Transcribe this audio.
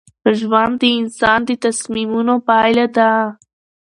ژوند د انسان د تصمیمونو پایله ده.